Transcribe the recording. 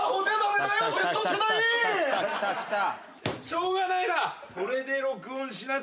しょうがないな。